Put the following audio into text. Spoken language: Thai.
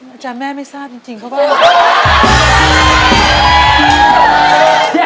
อาจารย์แม่ไม่ทราบจริงเพราะว่า